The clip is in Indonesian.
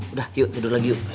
udah yuk tidur lagi yuk